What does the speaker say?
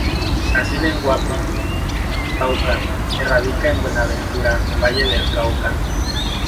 Nacida en Guapi, Cauca y radicada en Buenaventura, Valle del Cauca.